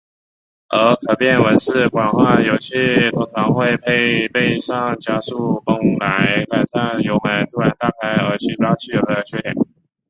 而可变文氏管化油器通常会配备上加速泵来改善油门突然大开而吸不到汽油的缺点。